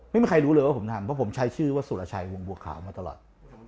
ไม่มีใครรู้เลยว่าผมทำเพราะผมใช้ชื่อว่าสุรชัยวงบัวขาวมาตลอด